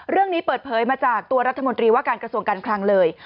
เรื่องนี้เปิดเผยมาจากตัวรัฐมนตรีว่าการกระทรวงการคลังเลย